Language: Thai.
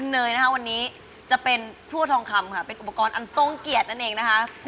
น่าจะเยอะกว่าน้ำหนักตัวคุณเองนะ